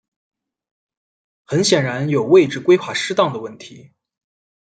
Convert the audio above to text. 很显然有位置规划失当的问题。